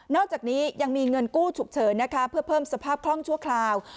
อกจากนี้ยังมีเงินกู้ฉุกเฉินนะคะเพื่อเพิ่มสภาพคล่องชั่วคราว